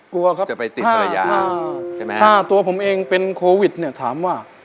กลัวครับจะไปติดภรรยาใช่ไหมฮะถ้าตัวผมเองเป็นโควิดเนี่ยถามว่า